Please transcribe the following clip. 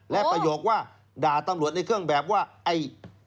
และประโยคว่าด่าตำรวจในเครื่องแบบว่าไอ้